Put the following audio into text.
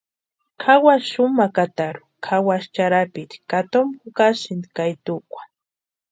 Kʼawasï xumakatarhu kʼawasï charhapiti ka toma jukasïnti ka etukwa.